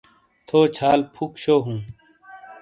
تھو چھال فُک ݜوہُوں ؟